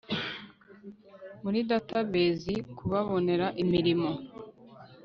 muri database kubabonera imirimo